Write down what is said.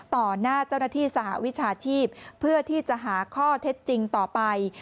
หน้าเจ้าหน้าที่สหวิชาชีพเพื่อที่จะหาข้อเท็จจริงต่อไป